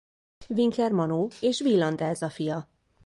Winkler Manó és Wieland Elza fia.